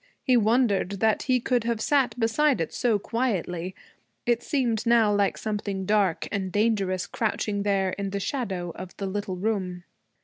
He wondered that he could have sat beside it so quietly. It seemed now like something dark and dangerous crouching there in the shadow of the little room.